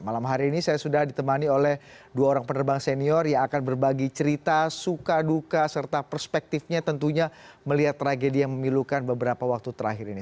malam hari ini saya sudah ditemani oleh dua orang penerbang senior yang akan berbagi cerita suka duka serta perspektifnya tentunya melihat tragedi yang memilukan beberapa waktu terakhir ini